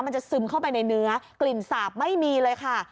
ซึมเข้าไปในเนื้อกลิ่นสาบไม่มีเลยค่ะ